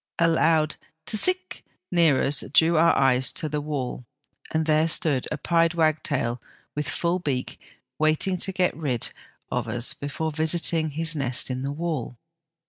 A loud ' tis sic ' near us drew our eyes to the wall, and there stood a pied wagtail with full beak, waiting to get rid of us before visiting his nest in the wall.